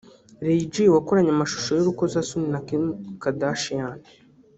Ray J wakoranye amashusho y’urukozasoni na Kim Kardashian